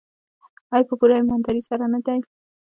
آیا په پوره ایمانداري سره نه دی؟